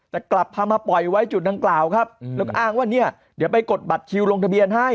แต่กลับพามาปล่อยไว้จุดดังกล่าวครับแล้วก็อ้างว่าเนี่ยเดี๋ยวไปกดบัตรคิวลงทะเบียนให้